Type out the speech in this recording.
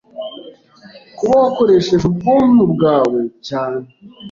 kuba wakoresheje ubwonko bwawe cyane